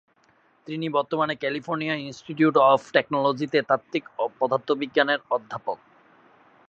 তিনি বর্তমানে California Institute of টেকনোলজিতে তাত্ত্বিক পদার্থবিজ্ঞানের অধ্যাপক।